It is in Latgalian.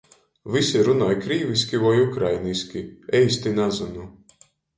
Vysi runoj krīviski voi ukrainiski, eisti nazynu.